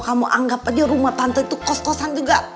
tante rumah tante itu kos kosan juga